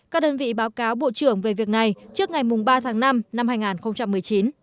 các đơn vị báo cáo bộ trưởng về việc này trước ngày ba tháng năm năm hai nghìn một mươi chín